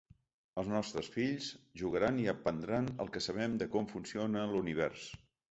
Els nostres fills jugaran i aprendran el que sabem de com funciona l’univers.